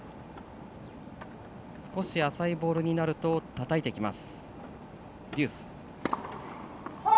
少し浅いボールになるとたたいてきます。